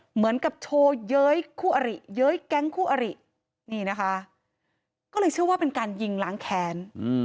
เหมือนกับโชว์เย้ยคู่อริเย้ยแก๊งคู่อรินี่นะคะก็เลยเชื่อว่าเป็นการยิงล้างแค้น